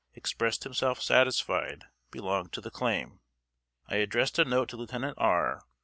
expressed himself satisfied belonged to the claim. I addressed a note to Lieutenant R.